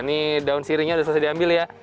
ini daun sirinya sudah selesai diambil ya